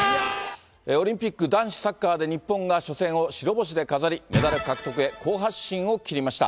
オリンピック男子サッカーで日本が初戦を白星で飾り、メダル獲得へ好発進を切りました。